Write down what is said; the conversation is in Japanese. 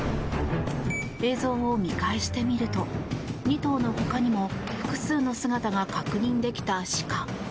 映像を見返してみると２頭のほかにも複数の姿が確認できた鹿。